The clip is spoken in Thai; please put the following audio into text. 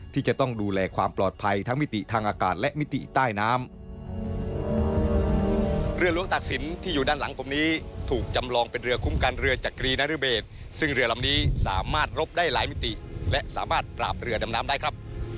ที่จะต้องดูแลความปลอดภัยทั้งมิติทางอากาศและมิติใต้น้ำได้ครับ